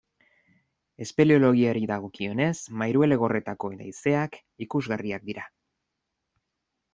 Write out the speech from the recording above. Espeleologiari dagokionez, Mairuelegorretako leizeak ikusgarriak dira.